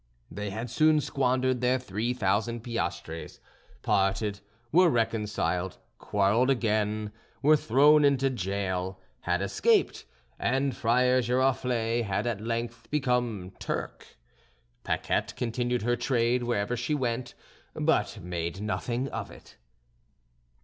They had soon squandered their three thousand piastres, parted, were reconciled, quarrelled again, were thrown into gaol, had escaped, and Friar Giroflée had at length become Turk. Paquette continued her trade wherever she went, but made nothing of it.